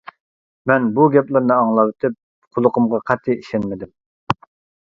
مەن بۇ گەپلەرنى ئاڭلاۋېتىپ، قۇلىقىمغا قەتئىي ئىشەنمىدىم.